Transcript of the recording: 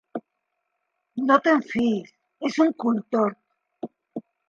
No te'n fiïs, és un colltort.